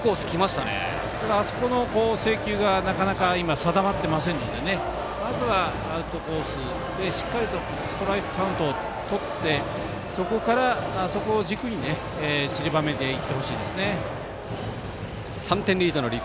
あそこの制球がなかなか今定まっていませんのでまずはアウトコースでしっかりとストライクカウントをとってそこから、そこを軸にちりばめていってほしいですね。